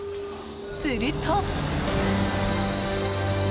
すると。